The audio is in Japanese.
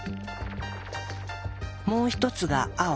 もう一つが青。